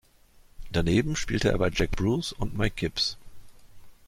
Daneben spielte er bei Jack Bruce und Mike Gibbs.